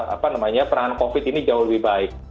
apa namanya perangan covid ini jauh lebih baik